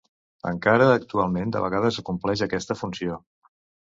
Encara actualment de vegades acompleix aquesta funció.